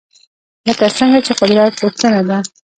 لکه څنګه چې قدرت غوښتنه ده